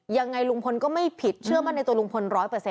ยังไงลุงพลก็ไม่ผิดเชื่อมั่นในตัวลุงพล๑๐๐